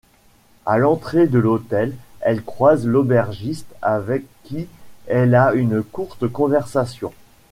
À l'entrée de l'hôtel, elle croise l'aubergiste, avec qui elle a une courte conversation.